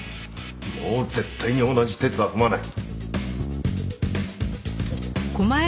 もう絶対に同じ轍は踏まない。